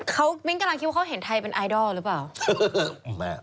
เขามิ้นกำลังคิดว่าเขาเห็นไทยเป็นไอดอลหรือเปล่า